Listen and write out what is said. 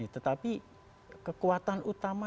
tetapi kekuatan utama